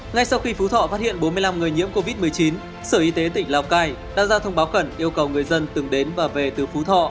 ngay sau khi phú thọ phát hiện bốn mươi năm người nhiễm covid một mươi chín sở y tế tỉnh lào cai đã ra thông báo khẩn yêu cầu người dân từng đến và về từ phú thọ